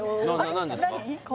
何ですか？